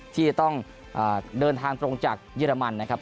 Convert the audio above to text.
ที่จะต้องเดินทางตรงจากเยอรมันนะครับ